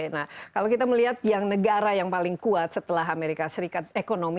nah kalau kita melihat yang negara yang paling kuat setelah amerika serikat ekonomi